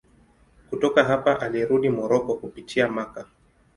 Kutoka hapa alirudi Moroko kupitia Makka.